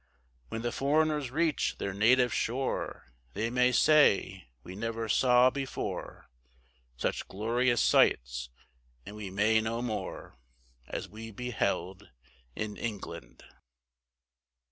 When the foreigners reach their native shore, They may say, we never saw before, Such glorious sights, and we may no more, As we beheld in England.